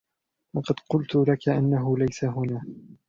لقد قلت لك أنه ليس هنا.